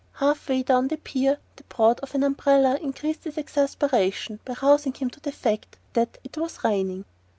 Half way down the pier the prod of an umbrella increased his exasperation by rousing him to the fact that it was raining.